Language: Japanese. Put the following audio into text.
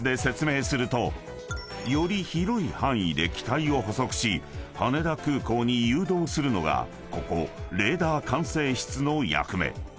［より広い範囲で機体を捕捉し羽田空港に誘導するのがここレーダー管制室の役目］